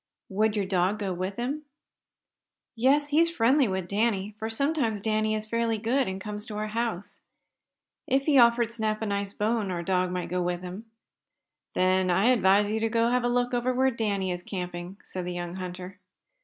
"Would your dog go with him?" "Yes, he's friendly with Danny, for sometimes Danny is fairly good, and comes to our house. If he offered Snap a nice bone our dog might go with him." "Then I advise you to have a look over where Danny is camping," said the young hunter.